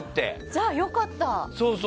じゃあ、よかった。